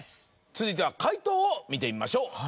続いては解答を見てみましょう。